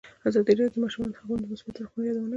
ازادي راډیو د د ماشومانو حقونه د مثبتو اړخونو یادونه کړې.